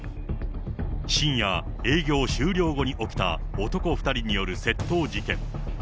深夜、営業終了後に起きた男２人による窃盗事件。